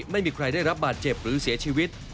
ไม่มีใครได้รับบาดเจ็บหรือเสียชีวิต